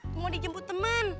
gue mau dijemput temen